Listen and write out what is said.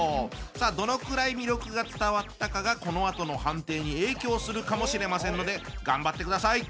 さあどのくらい魅力が伝わったかがこのあとの判定に影響するかもしれませんので頑張ってください。